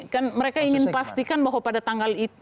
kan mereka ingin pastikan bahwa pada tanggal itu